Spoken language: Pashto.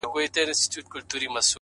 • د پېغلوټو تر پاپیو به شم لاندي,